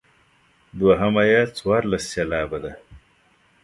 دوهمه یې څوارلس سېلابه ده.